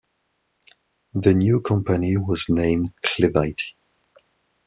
The new company was named Clevite.